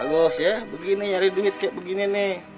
bagus ya begini nyari duit kayak begini nih